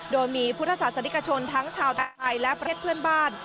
โดยมีพุทธศาสนิกชนทั้งชาวไทยและประเทศเพื่อนบ้าน